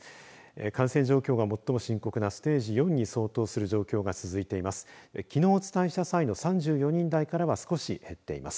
感染状況が最も深刻なステージ４に相当する状況が続いています。